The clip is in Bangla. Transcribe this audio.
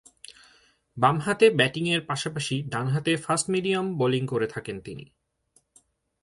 বামহাতে ব্যাটিংয়ের পাশাপাশি ডানহাতে ফাস্ট মিডিয়াম বোলিং করে থাকেন তিনি।